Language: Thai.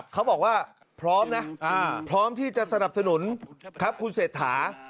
เขาบอกว่าพร้อมนะพร้อมที่จะสนับสนุนครับคุณเศรษฐา